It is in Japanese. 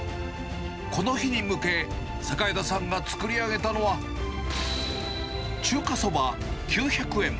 この日に向け、榮田さんが作り上げたのは、中華そば９００円。